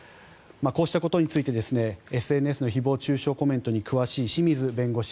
こうしたことについてＳＮＳの誹謗・中傷コメントに詳しい清水弁護士